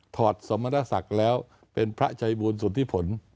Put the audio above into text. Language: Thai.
ถอดสมรสักแล้วเป็นพระชายบูรณ์สุทธิผล